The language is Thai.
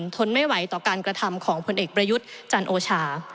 ทนไม่ไหวต่อการกระทำของผลเอกประยุทธ์จันโอชา